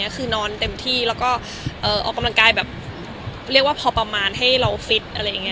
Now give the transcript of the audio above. คือนอนเต็มที่แล้วก็ออกกำลังกายเรียกว่าพอประมาณให้เราแฟท